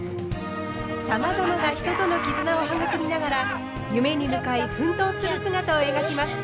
さまざまな人との絆を育みながら夢に向かい奮闘する姿を描きます。